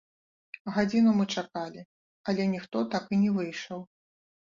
Гадзіну мы чакалі, але ніхто так і не выйшаў.